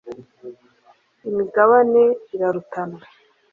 imigabane irarutana.